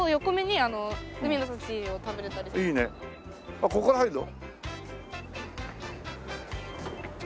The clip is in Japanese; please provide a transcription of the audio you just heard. あっここから入るの？